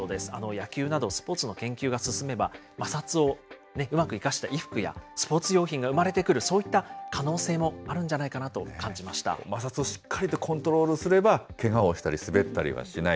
野球など、スポーツの研究が進めば、摩擦をうまく生かした衣服やスポーツ用品が生まれてくる、そういった可能性もあるんじゃない摩擦をしっかりとコントロールすれば、けがをしたり、滑ったりはしない。